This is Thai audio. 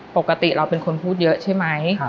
ปกติเราเป็นคนพูดเยอะใช่ไหม